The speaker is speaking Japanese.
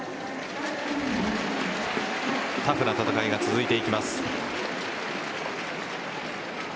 タフな戦いが続いていきます。